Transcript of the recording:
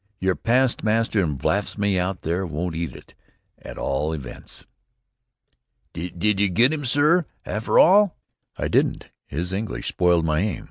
Your past master in blasphemy out there won't eat it, at all events." "Did ye get him, sorr, afther all?" "I didn't. His English spoiled my aim.